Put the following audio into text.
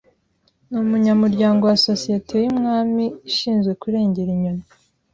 Ni umunyamuryango wa societe yumwami ishinzwe kurengera inyoni.